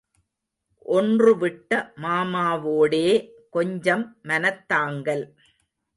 ஒன்றுவிட்ட மாமாவோடே கொஞ்சம் மனத்தாங்கல்.